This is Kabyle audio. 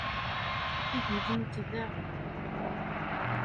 Ad ilint da.